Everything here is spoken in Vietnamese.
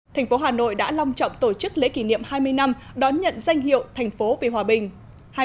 thành phố hà nội đã long trọng tổ chức lễ kỷ niệm hai mươi năm đón nhận danh hiệu thành phố vì hòa bình